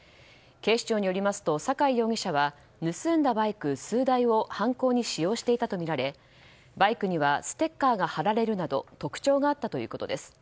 警視庁によりますと酒井容疑者は盗んだバイク数台を犯行に使用していたとみられバイクにはステッカーが貼られるなど特徴があったということです。